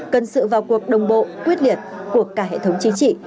cần sự vào cuộc đồng bộ quyết liệt của cả hệ thống chính trị